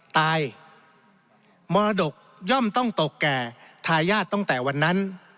ตายมรดกย่อมต้องตกแก่ทายาทตั้งแต่วันนั้น